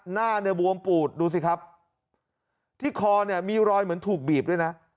หน้าเนี่ยบวมปูดดูสิครับที่คอเนี่ยมีรอยเหมือนถูกบีบด้วยนะ